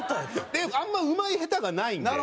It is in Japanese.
であんまりうまい下手がないんで。